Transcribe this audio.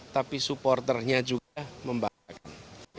tapi supporternya juga membanggakan